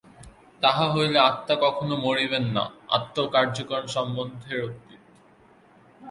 তাহা হইলে আত্মা কখনও মরিবেন না, আত্মা কার্যকারণ-সম্বন্ধের অতীত।